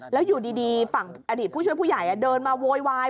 แล้วอยู่ดีฝั่งอดีตผู้ช่วยผู้ใหญ่เดินมาโวยวาย